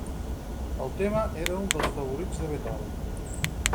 El tema era un dels favorits de Beethoven.